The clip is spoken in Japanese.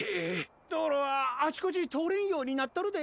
どうろはあちこちとおれんようになっとるで。